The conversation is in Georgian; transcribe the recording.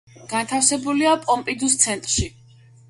განთავსებულია პომპიდუს ცენტრში.